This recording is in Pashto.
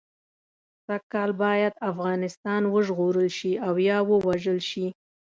سږ کال باید افغانستان وژغورل شي او یا ووژل شي.